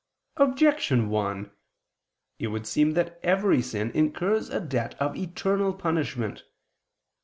Objection 1: It would seem that every sin incurs a debt of eternal punishment.